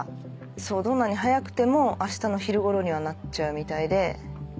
どんなに早くてもあしたの昼ごろにはなっちゃうみたいで。